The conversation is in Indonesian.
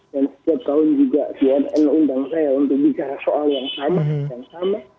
dan setiap tahun juga cnn undang saya untuk bicara soal yang sama